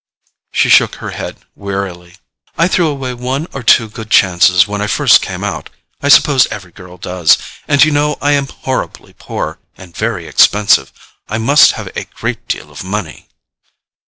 She shook her head wearily. "I threw away one or two good chances when I first came out—I suppose every girl does; and you know I am horribly poor—and very expensive. I must have a great deal of money."